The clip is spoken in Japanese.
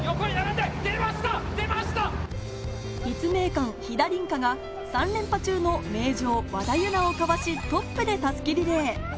立命館・飛田凜香が３連覇中の名城・和田有菜をかわし、トップで襷リレー。